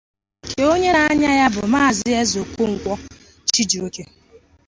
nke onye na-anya ya bụ Maazị Eze Okonkwo Chijioke